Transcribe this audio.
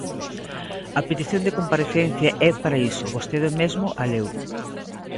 A petición de comparecencia é para iso, vostede mesmo a leu.